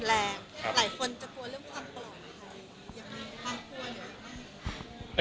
หลายคนจะกลัวเรื่องความปลอดภัยอย่างนี้ความกลัวหรือเปล่า